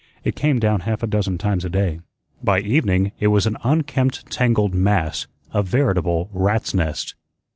It came down half a dozen times a day; by evening it was an unkempt, tangled mass, a veritable rat's nest.